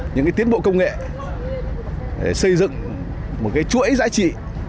những cái tiến bộ công nghệ để xây dựng một cái chuỗi giá trị